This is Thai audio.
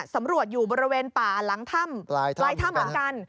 สำรวจอยู่บริเวณปลาร้ายถ้ำก็งั้น